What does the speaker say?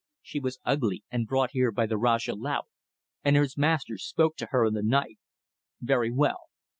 She was ugly, and brought here by the Rajah Laut, and his master spoke to her in the night. Very well.